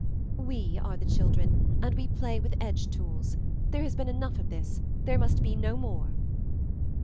"We are the children, and we play with edge tools. There has been enough of this, there must be no more."